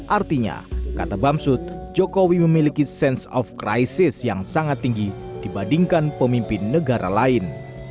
artinya kata bamsud jokowi memiliki sense of crisis yang sangat tinggi dibandingkan pemimpin negara lain